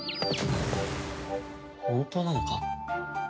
本当なのか？